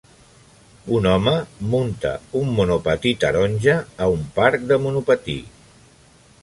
Un home munta un monopatí taronja a un parc de monopatí.